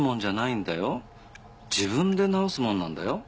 自分で治すものなんだよ。